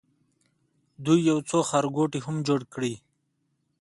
دوی یو څو ښارګوټي هم جوړ کړي.